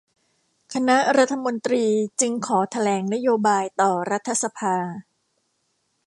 คณะรัฐมนตรีจึงขอแถลงนโยบายต่อรัฐสภา